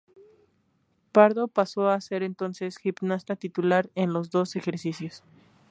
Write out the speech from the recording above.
Pardo pasó a ser entonces gimnasta titular en los dos ejercicios.